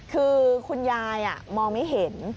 คือคุณยายมองไม่เห็น